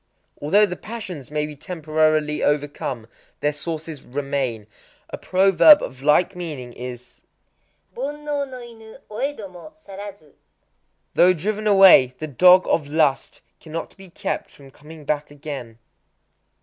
Although the passions may be temporarily overcome, their sources remain. A proverb of like meaning is, Bonnō no inu oëdomo sarazu: "Though driven away, the Dog of Lust cannot be kept from coming back again."